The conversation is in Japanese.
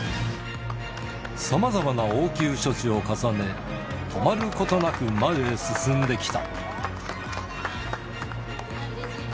さまざまな応急処置を重ね、止まることなく前へ進んできた。